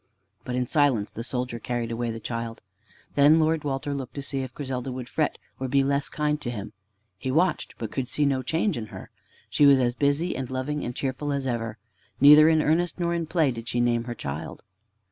But in silence the soldier carried away the child. Then Lord Walter looked to see if Griselda would fret or be less kind to him. He watched, but could see no change in her. She was as busy and loving and cheerful as ever. Neither in earnest nor in play did she name her child.